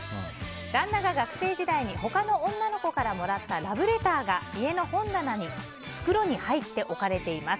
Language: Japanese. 旦那が学生時代に他の女の子からもらったラブレターが家の本棚に、袋に入って置かれています。